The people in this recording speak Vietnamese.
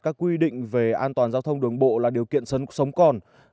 các quy định về an toàn giao thông đường bộ là điều kiện sân sống còn